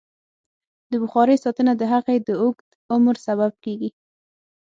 د بخارۍ ساتنه د هغې د اوږد عمر سبب کېږي.